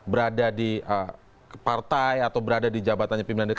berada di partai atau berada di jabatannya pimpinan dpr